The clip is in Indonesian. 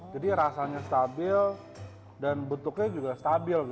jadi rasanya stabil dan bentuknya juga stabil